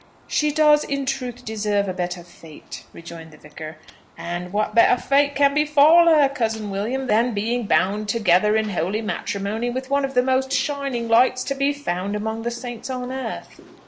"She does, in truth, deserve a better fate," rejoined the vicar. "And what better fate can befall her, cousin William, than being bound together in holy matrimony with one of the most shining lights to be found among the saints on earth?"